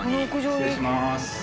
失礼します。